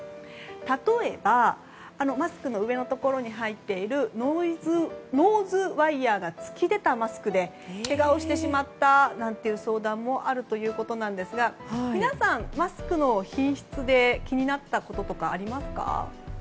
例えばマスクの上のところに入っているノーズワイヤが突き出たマスクでけがをしてしまったなんていう相談もあるということですが皆さん、マスクの品質で気になったこととかありますか？